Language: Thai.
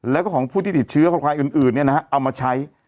แล้วก็ของผู้ที่ติดเชื้อของใครอื่นอื่นเนี้ยนะฮะเอามาใช้